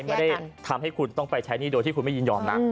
ไม่ได้ทำให้คุณต้องไปใช้หนี้โดยที่คุณไม่ยินยอมนะ